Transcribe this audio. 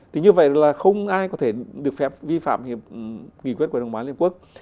thì như vậy là không ai có thể được phép vi phạm nghị quyết của hội đồng bảo an liên hợp quốc